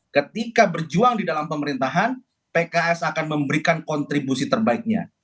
ketika berjuang di dalam pemerintahan pks akan memberikan kontribusi terbaiknya